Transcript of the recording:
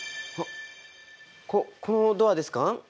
あっこのドアですか？